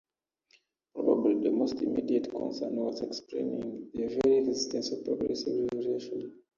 Probably the most immediate concern was explaining the very existence of progressive revelation.